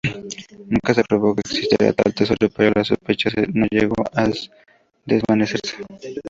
Nunca se probó que existiera tal tesoro, pero la sospecha no llegó a desvanecerse.